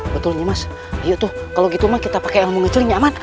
betulnya mas ayo tuh kalau gitu mah kita pake ilmu ngecil yang nyaman